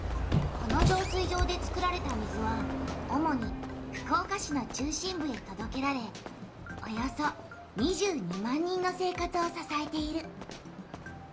この浄水場で作られた水はおもに福岡市の中心部へとどけられおよそ２２万人の生活をささえている。